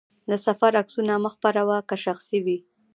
د سفر عکسونه مه خپره وه، که شخصي وي.